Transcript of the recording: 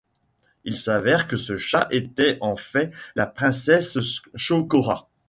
Il s'avère que ce chat était en fait la princesse Shokora.